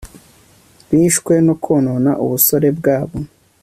bishwe no konona ubusore bwabo